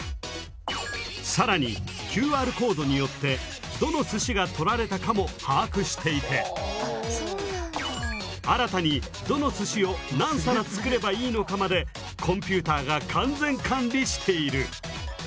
更にＱＲコードによってどのすしが取られたかも把握していて新たにどのすしを何皿作ればいいのかまでコンピューターが完全管理している。